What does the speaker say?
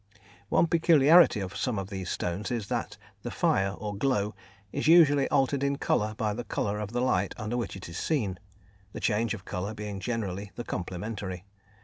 One peculiarity of some of these stones is that the "fire" or "glow" is usually altered in colour by the colour of the light under which it is seen, the change of colour being generally the complementary.